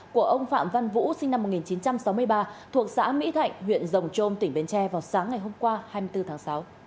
của ông phạm văn vũ sinh năm một nghìn chín trăm sáu mươi ba thuộc xã mỹ thạnh huyện rồng trôm tỉnh bến tre vào sáng ngày hôm qua hai mươi bốn tháng sáu